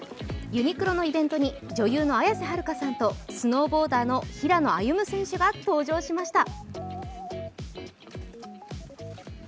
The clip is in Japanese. ユニクロのイベントに女優の綾瀬はるかさんとスノーボーダーの平野歩夢選手が登場しました。